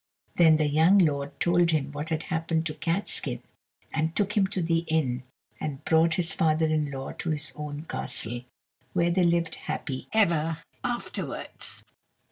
Then the young lord told him what had happened to Catskin, and took him to the inn, and brought his father in law to his own castle, where they lived happy ever afterwards.